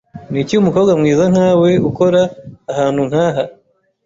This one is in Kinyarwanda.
Niki umukobwa mwiza nkawe ukora ahantu nkaha?